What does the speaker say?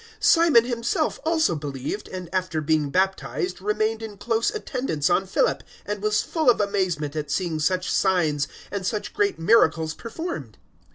008:013 Simon himself also believed, and after being baptized remained in close attendance on Philip, and was full of amazement at seeing such signs and such great miracles performed.